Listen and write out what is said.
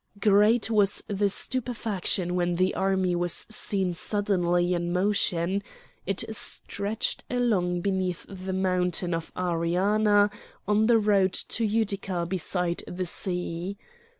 Great was the stupefaction when the army was seen suddenly in motion; it stretched along beneath the mountain of Ariana on the road to Utica beside the sea.